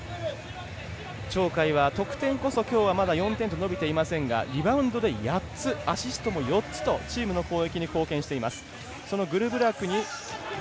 鳥海は得点こそ４点と伸びていませんがリバウンドは８つアシストも４つとチームの攻撃に貢献しています。